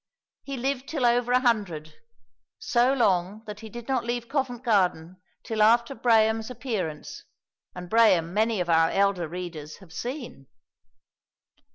He lived till over a hundred, so long that he did not leave Covent Garden till after Braham's appearance, and Braham many of our elder readers have seen.